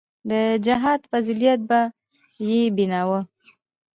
د جهاد فضيلت به يې بياناوه.